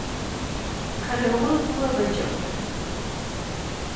قەرەوڵ بووە بە جهوههر